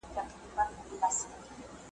ارغوان هغسي ښکلی په خپل رنګ زړو ته منلی .